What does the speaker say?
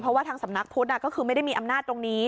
เพราะว่าทางสำนักพุทธก็คือไม่ได้มีอำนาจตรงนี้